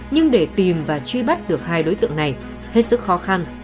nhưng để tìm và truy bắt được hai đối tượng này hết sức khó khăn